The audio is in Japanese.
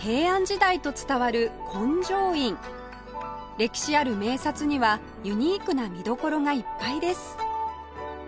歴史ある名刹にはユニークな見どころがいっぱいです